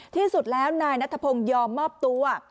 ที่สุดแล้วนายนัทพงศ์ยอมมอบตัว